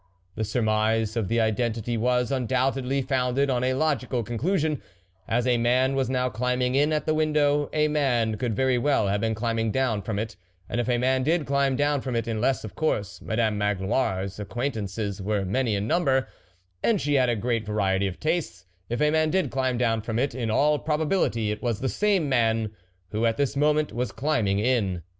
The surmise of identity was, undoubtedly, founded on a logical conclusion As a man was now climbing in at the window, a man could very well have been climbing down from it ; and if a man did climb down from it unless, of course, Madam Magloire's acquaintances were many in number, and she had a great variety of tastes if a man did climb down from it, in all pro bability, it was the same man who, at this moment was climbing in.